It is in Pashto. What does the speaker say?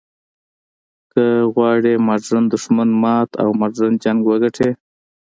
که غواړې ماډرن دښمن مات او ماډرن جنګ وګټې.